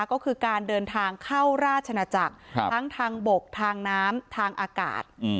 ก็คือการเดินทางเข้าราชนาจักรทั้งทางบกทางน้ำทางอากาศ